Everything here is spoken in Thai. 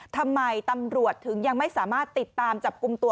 ทำไมตำรวจถึงยังไม่สามารถติดตามจับกลุ่มตัว